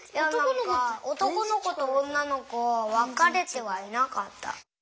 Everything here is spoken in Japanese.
おとこのことおんなのこわかれてはいなかった。